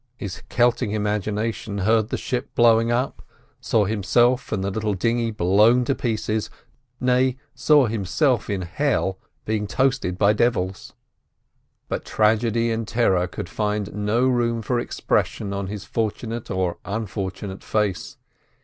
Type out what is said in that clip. His Celtic imagination heard the ship blowing up, saw himself and the little dinghy blown to pieces—nay, saw himself in hell, being toasted by "divils." But tragedy and terror could find no room for expression on his fortunate or unfortunate face.